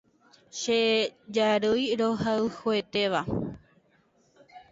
Che jarýi rohayhuetéva